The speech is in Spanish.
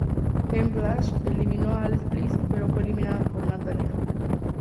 En Backlash, eliminó a Alexa Bliss, pero fue eliminada por Natalya.